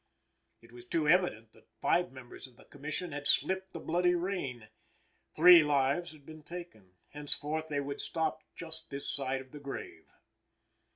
It was too evident that five members of the Commission had slipped the bloody rein. Three lives had they taken. Henceforth they would stop just this side the grave.